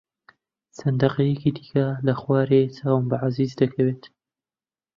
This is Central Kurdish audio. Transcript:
چەند دەقەیەکی دیکە لە خوارێ چاوم بە عەزیز دەکەوێت.